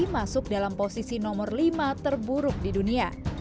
masuk dalam posisi nomor lima terburuk di dunia